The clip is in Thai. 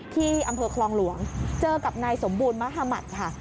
ที่อำเภอคลองหลวงเจอกับนายสมบูรณ์มหมัติค่ะ